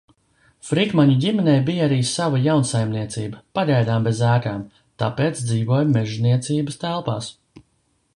Frikmaņu ģimenei bija arī sava jaunsaimniecība, pagaidām bez ēkām, tāpēc dzīvoja mežniecības telpās.